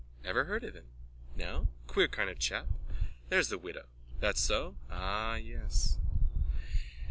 Never heard of him. No? Queer kind of chap. There's the widow. That so? Ah, yes.